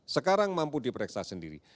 sekarang mampu diperiksa sendiri